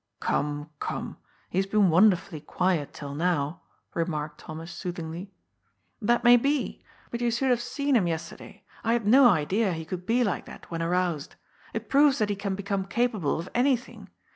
" Come, come, he has been wonderfully quiet till now," remarked Thomas soothingly. " That may be. But you should have seen him yester day. I had no idea he could be like that, when aroused. It proves that he can become capable of anything.